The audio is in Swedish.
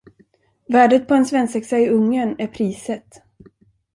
Värdet på en svensexa i Ungern är priset!